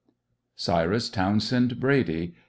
Cybus Townsbnd Brady.